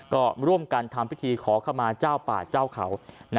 ก็ร่วมกันทำพิธีขอขมาเจ้าป่าเจ้าเขา